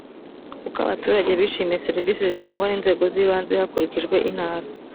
uko abaturage bishimiye serivisi zitangwa n inzego z ibanze hakurikijwe intara